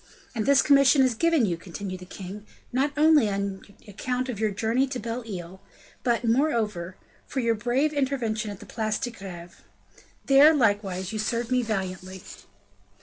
"And this commission is given you," continued the king, "not only on account of your journey to Belle Isle but, moreover, for your brave intervention at the Place de Greve. There, likewise, you served me valiantly."